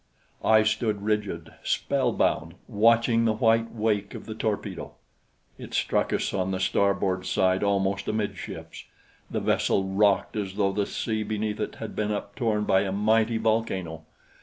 I stood rigid, spellbound, watching the white wake of the torpedo. It struck us on the starboard side almost amidships. The vessel rocked as though the sea beneath it had been uptorn by a mighty volcano.